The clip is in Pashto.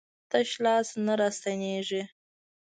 تش لاس نه راستنېږي.